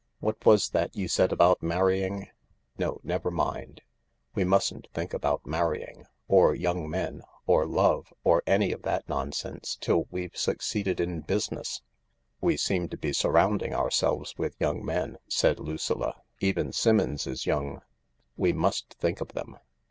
What was that you said about marrying ? No, never mind. We mustn't think about marrying, or young men, or love, or any of that nonsense till we've succeeded in business." " We seem to be surrounding ourselves with young men," said Lucilla. "Even Simmons is young. We must think of them."